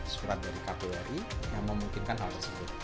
surat dari kbri yang memungkinkan hal tersebut